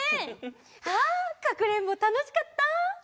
ああかくれんぼたのしかった。